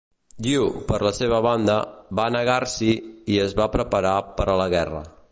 Yu, per la seva banda, va negar-s'hi i es va preparar per a la guerra.